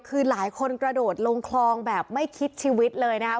คือหลายคนกระโดดลงคลองแบบไม่คิดชีวิตเลยนะครับ